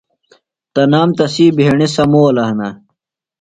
تنام تسی بھیݨیۡ سمولہ ہِنہ۔